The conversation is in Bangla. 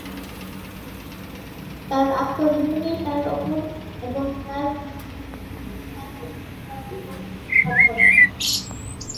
তার আত্মজীবনী তার উপর এবং তার পরিবারে তার ভূমিকার উপর দৃষ্টিপাত করে।